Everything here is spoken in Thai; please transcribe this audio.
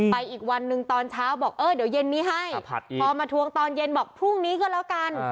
อีกวันหนึ่งตอนเช้าบอกเออเดี๋ยวเย็นนี้ให้พอมาทวงตอนเย็นบอกพรุ่งนี้ก็แล้วกัน